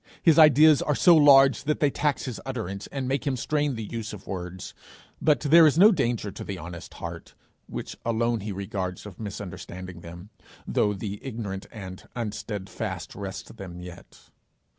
His ideas are so large that they tax his utterance and make him strain the use of words, but there is no danger to the honest heart, which alone he regards, of misunderstanding them, though 'the ignorant and unsteadfast wrest them' yet.